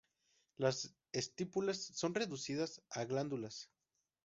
Las estípulas son reducidas a glándulas.